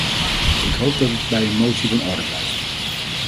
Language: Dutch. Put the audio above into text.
Ik hoop dat het bij een motie van orde blijft.